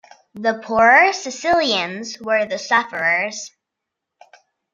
The poorer Sicilians were the sufferers.